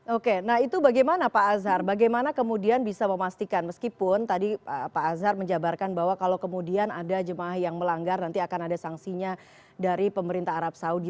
oke nah itu bagaimana pak azhar bagaimana kemudian bisa memastikan meskipun tadi pak azhar menjabarkan bahwa kalau kemudian ada jemaah yang melanggar nanti akan ada sanksinya dari pemerintah arab saudi